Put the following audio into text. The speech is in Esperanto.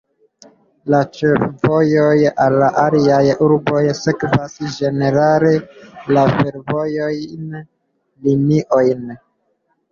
La ĉefvojoj al la aliaj urboj sekvas ĝenerale la fervojajn liniojn.